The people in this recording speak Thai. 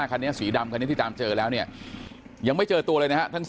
คันนี้สีดำคันนี้ที่ตามเจอแล้วเนี่ยยังไม่เจอตัวเลยนะฮะ